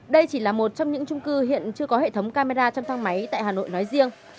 đây chỉ là một trong những trung cư hiện chưa có hệ thống camera trong thang máy tại hà nội nói riêng